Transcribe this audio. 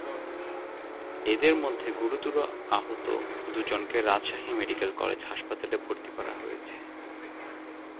এঁদের মধ্যে গুরুতর আহত দুজনকে রাজশাহী মেডিকেল কলেজ হাসপাতালে ভর্তি করা হয়েছে।